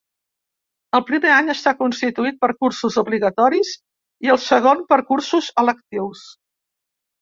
El primer any està constituït per cursos obligatoris i el segon per cursos electius.